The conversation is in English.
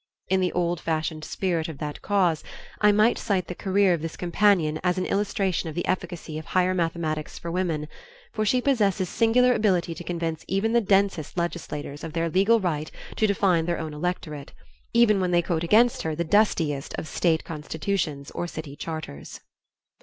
In the old fashioned spirit of that cause I might cite the career of this companion as an illustration of the efficacy of higher mathematics for women, for she possesses singular ability to convince even the densest legislators of their legal right to define their own electorate, even when they quote against her the dustiest of state constitutions or city charters.